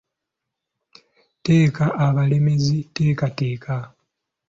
Teeka abalemeezi teeka teeka.